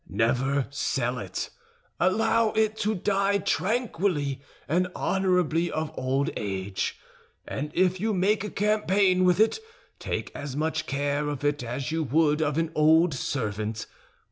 Never sell it; allow it to die tranquilly and honorably of old age, and if you make a campaign with it, take as much care of it as you would of an old servant.